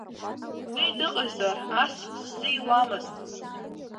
Уи дыҟазар, ас сзиуамызт.